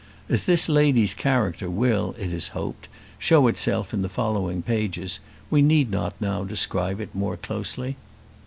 As this lady's character will, it is hoped, show itself in the following pages, we need not now describe it more closely.